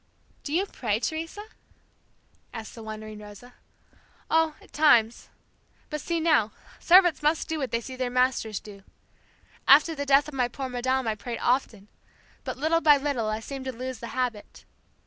"Do you pray, Teresa?" asked the wondering Rosa. "Oh, at times. But see now, servants must do what they see their masters do. After the death of my poor madame I prayed often, but little by little I seemed to lose the habit.